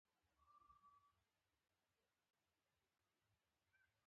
د رخام کانونه په هلمند کې دي